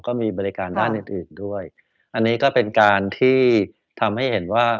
ก็มีบริการด้านอื่นอื่นด้วยอันนี้ก็เป็นการที่ทำให้เห็นว่า